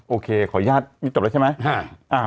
โอเคขออนุญาตไม่จบแล้วใช่ไหม